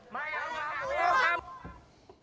ไม่เอาฟาร์มไม่เอาฟาร์ม